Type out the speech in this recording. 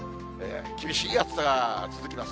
厳しい暑さが続きます。